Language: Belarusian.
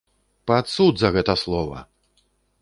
Пад суд за гэта слова!